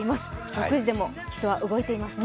６時でも人は動いていますね。